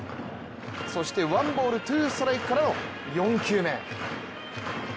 そしてワンボール・ツーストライクからの４球目。